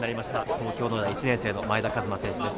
東京農大１年生の前田和摩選手です。